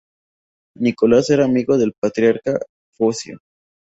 Nicolás era amigo del patriarca Focio.